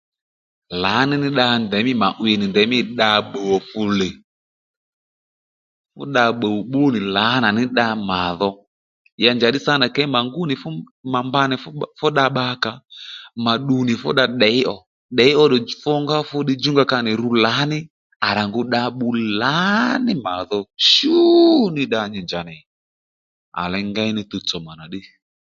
Lǎní ní mà màdhí mà 'wiy nì dda-bbùw ò fúle fú dda-bbùw bbúnì lǎnà ní dda màdho ya njàddí sâ nà mà ngúnì mà mba nì fú dda bbakǎ mà ddu nì fú dda tděy ò tděy ó funga fú ddiy djúnga ka nì ru lǎní à ngu dda bbu lǎní mà dho shú ní dda nyiní njǎ ney à ley ngéy ní tuwtsò mà nà ddí